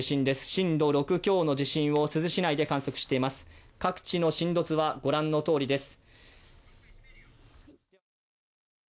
震度６強の地震を珠洲市内で観測しています、各地の震度図はご覧のとおりです。